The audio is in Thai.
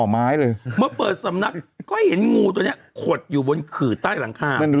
เหมือนด่อไม้เลย